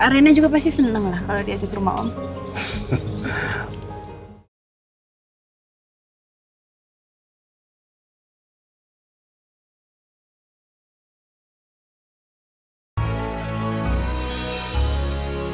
pak reina juga pasti seneng lah kalau diajak ke rumah om